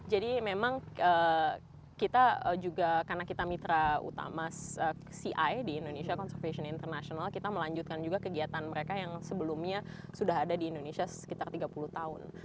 jadi memang kita juga karena kita mitra utama ci di indonesia conservation international kita melanjutkan juga kegiatan mereka yang sebelumnya sudah ada di indonesia sekitar tiga puluh tahun